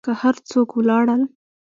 که هر څوک و لاړل.